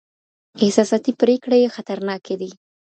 احساساتي پرېکړې خطرناکې دي.